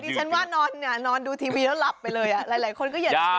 ดิฉันว่านอนเนี่ยนอนดูทีวีแล้วหลับไปเลยอะหลายคนก็เหยื่อว่าฉัน